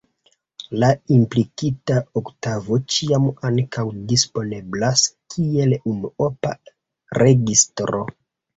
La implikita oktavo ĉiam ankaŭ disponeblas kiel unuopa registro.